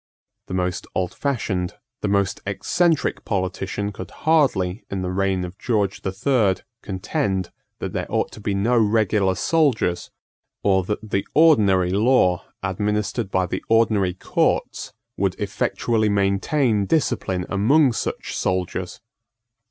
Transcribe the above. The most oldfashioned, the most eccentric, politician could hardly, in the reign of George the Third, contend that there ought to be no regular soldiers, or that the ordinary law, administered by the ordinary courts, would effectually maintain discipline among such soldiers.